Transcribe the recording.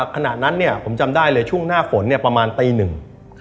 ขณะนั้นเนี่ยผมจำได้เลยช่วงหน้าฝนเนี่ยประมาณตีหนึ่ง